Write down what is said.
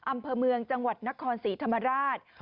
อำเภอเมืองจังหวัดนครศรีธรรมราช